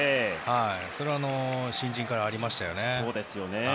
それは新人からありましたよね。